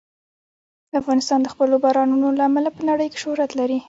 افغانستان د خپلو بارانونو له امله په نړۍ کې شهرت لري.